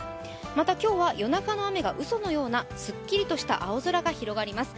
また今日は夜中の雨がうそのようなすっきりとした青空が広がります。